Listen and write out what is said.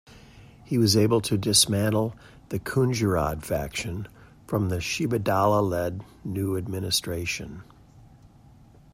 He was able to dismantle the Khunggirad faction from the Shidibala-led new administration.